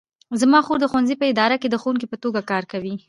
زما خور د ښوونځي په اداره کې د ښوونکې په توګه کار کوي